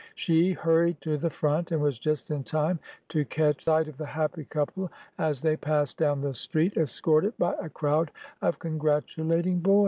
She hurried to the front, and was just in time to catch sight of the happy couple as they passed down the street, escorted by a crowd of congratulating boys.